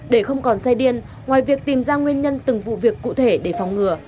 để không còn xe điên ngoài việc tìm ra nguyên nhân từng vụ việc cụ thể để phòng ngừa